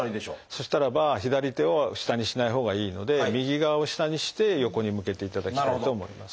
そしたらば左手を下にしないほうがいいので右側を下にして横に向けていただきたいと思います。